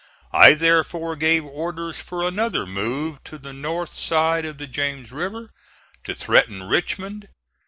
I therefore gave orders for another move to the north side of the James River, to threaten Richmond.